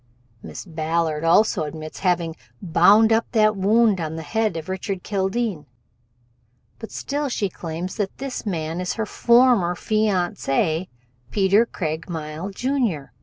Miss Ballard also admits having bound up that wound on the head of Richard Kildene, but still she claims that this man is her former fiancé, Peter Craigmile, Jr.